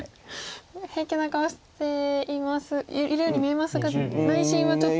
平気な顔しているように見えますが内心はちょっと。